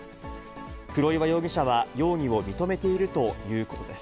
黒岩容疑者は容疑を認めているということです。